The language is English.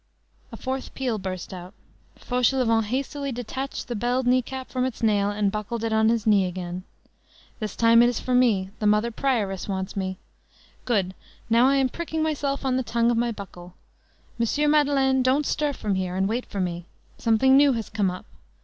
A fourth peal burst out. Fauchelevent hastily detached the belled knee cap from its nail and buckled it on his knee again. "This time it is for me. The Mother Prioress wants me. Good, now I am pricking myself on the tongue of my buckle. Monsieur Madeleine, don't stir from here, and wait for me. Something new has come up.